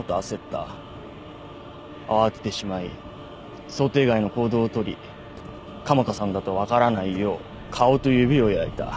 慌ててしまい想定外の行動をとり加茂田さんだと分からないよう顔と指を焼いた。